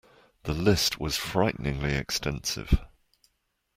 The list was frighteningly extensive.